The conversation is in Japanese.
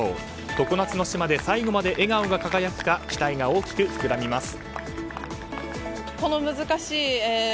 常夏の島で最後まで笑顔が輝くか期待が大きく膨らみます。